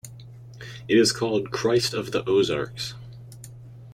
It is called "Christ of the Ozarks".